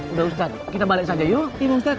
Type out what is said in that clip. udah ustadz kita balik saja yuk